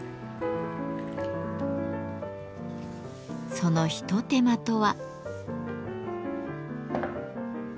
その一手間とは？